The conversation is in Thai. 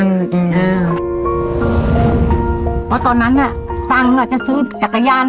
เพราะตอนนั้นน่ะตังค์จะซื้อจักรยาน